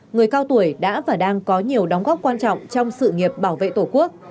người cao tuổi đã và đang có nhiều đóng góp quan trọng trong sự nghiệp bảo vệ tổ quốc